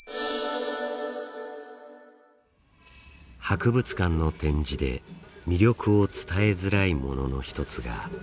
博物館の展示で魅力を伝えづらいものの一つが屏風。